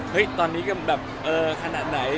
เฮ้ยตอนนี้แบบเอ่อขนาดไหน